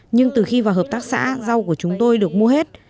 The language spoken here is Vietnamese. nhưng từ khi vào hợp tác xã rau của chúng tôi được mua hết